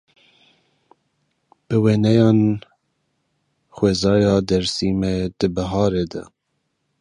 Bi wêneyan xwezaya Dêrsimê di biharê de.